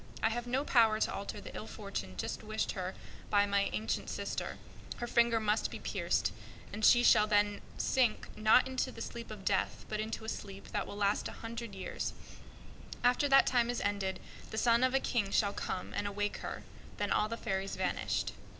I have no power to undo what my elder has done. The Princess must pierce her finger with a spindle and she shall then sink, not into the sleep of death, but into a sleep that will last a hundred years. After that time is ended, the son of a King shall come and awake her." Then all the fairies vanished.